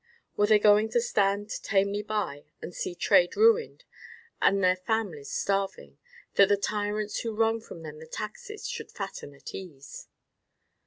Were they going to stand tamely by and see trade ruined, and their families starving, that the tyrants who wrung from them the taxes should fatten at ease?